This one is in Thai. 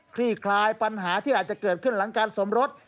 ลี่คลายปัญหาที่อาจจะเกิดขึ้นหลังการสมรส